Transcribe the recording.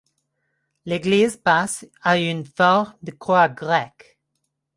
L'église basse a une forme de croix grecque.